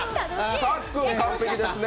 さっくんは完璧ですね。